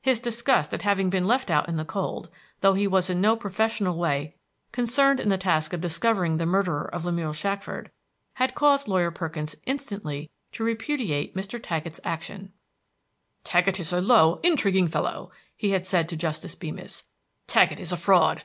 His disgust at having been left out in the cold, though he was in no professional way concerned in the task of discovering the murderer of Lemuel Shackford, had caused Lawyer Perkins instantly to repudiate Mr. Taggett's action. "Taggett is a low, intriguing fellow," he had said to Justice Beemis; "Taggett is a fraud."